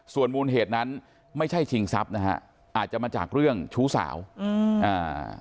ส่วนมูลเหตุนั้นไม่ใช่ชิงทรัพย์นะฮะอาจจะมาจากเรื่องชู้สาวอืมอ่า